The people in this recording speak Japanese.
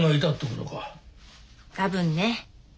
多分ね。